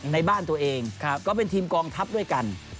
ในบ้านตัวเองก็เป็นทีมกองทัพด้วยกัน